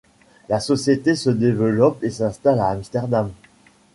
La société se développe et s'installe à Amsterdam.